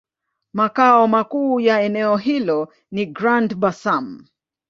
Makao makuu ya eneo hilo ni Grand-Bassam.